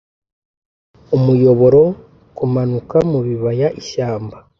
Umuyoborokumanuka mubibaya ishyamba,